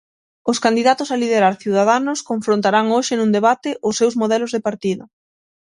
Os candidatos a liderar Ciudadanos confrontarán hoxe nun debate os seus modelos de partido.